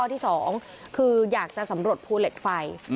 ส่วนที่สองคืออยากจะสำรวจภูเหล็กไฟ